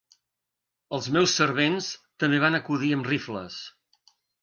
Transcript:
Els meus servents també van acudir amb rifles.